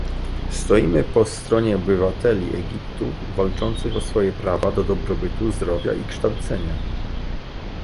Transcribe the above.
Stoimy po stronie obywateli Egiptu walczących o swoje prawa do dobrobytu, zdrowia i kształcenia